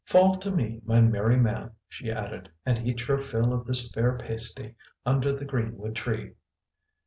"Fall to, my merry man," she added, "and eat your fill of this fair pasty, under the greenwood tree."